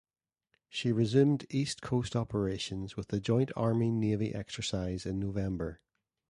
She resumed east coast operations with a joint Army-Navy exercise in November.